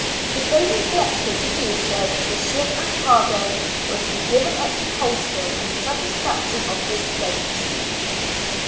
If they neglected to do so, the ship and cargo were to be given up to Colston in satisfaction of his claims.